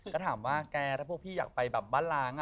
ก็ถามว่าแกถ้าพวกพี่อยากไปแบบบ้านล้าง